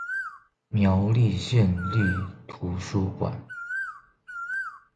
苗栗縣立圖書館